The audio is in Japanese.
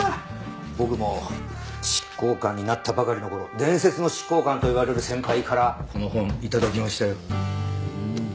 僕も執行官になったばかりの頃伝説の執行官といわれる先輩からこの本頂きましたよ。